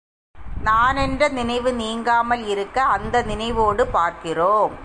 நான் என்ற நினைவு நீங்காமல் இருக்க, அந்த நினைவோடு பார்க்கிறோம்.